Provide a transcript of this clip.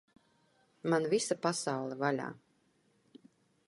Man visa pasaule vaļā!